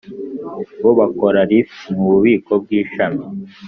bob akora lift mu bubiko bw'ishami